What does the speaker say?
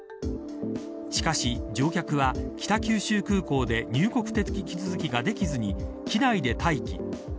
しかし乗客は、北九州空港で入国手続きができずに機内で待機。